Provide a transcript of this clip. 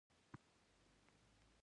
تل د هغه له ذاته وېرېدم.